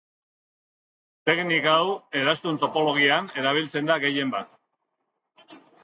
Teknika hau eraztun topologian erabiltzen da gehien bat.